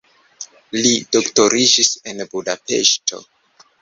Li doktoriĝis en Budapeŝto.